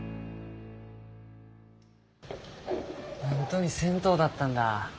本当に銭湯だったんだ。